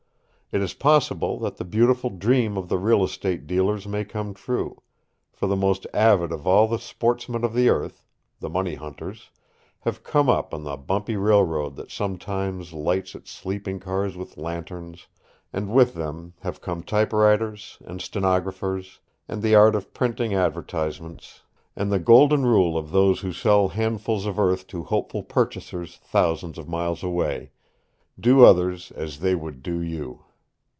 It is possible that the beautiful dream of the real estate dealers may come true, for the most avid of all the sportsmen of the earth, the money hunters, have come up on the bumpy railroad that sometimes lights its sleeping cars with lanterns, and with them have come typewriters, and stenographers, and the art of printing advertisements, and the Golden Rule of those who sell handfuls of earth to hopeful purchasers thousands of miles away "Do others as they would do you."